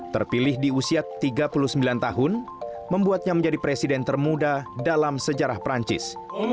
terpilih di usia tiga puluh sembilan tahun membuatnya menjadi presiden termuda dalam sejarah perancis